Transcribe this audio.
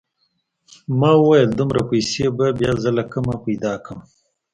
ما وويل دومره پيسې به بيا زه له کومه پيدا کم.